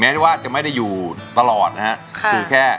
แม้ว่าจะไม่ได้อยู่ตลอดนะฮะ